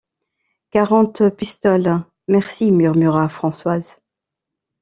Quarante pistoles, merci! murmura Françoise.